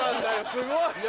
すごい。